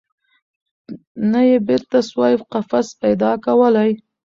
نه یې بیرته سوای قفس پیدا کولای